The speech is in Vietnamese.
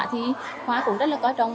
thì khóa cũng rất là có trọng